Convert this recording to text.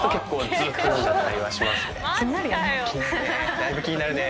だいぶ気になるね。